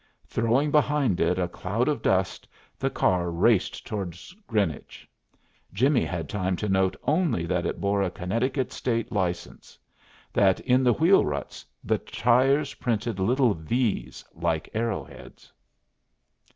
Throwing behind it a cloud of dust, the car raced toward Greenwich. Jimmie had time to note only that it bore a Connecticut State license; that in the wheel ruts the tires printed little V's, like arrow heads.